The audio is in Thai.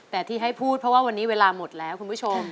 แต่ที่ให้พูดเพราะว่าวันนี้เวลาหมดแล้วคุณผู้ชม